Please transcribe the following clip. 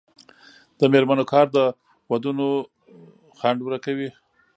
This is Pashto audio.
د میرمنو کار د ودونو ځنډ ورکوي.